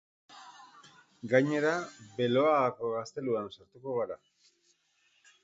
Gainera, beloagako gazteluan sartuko gara.